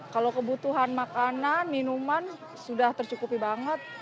kalau kebutuhan makanan minuman sudah tercukupi banget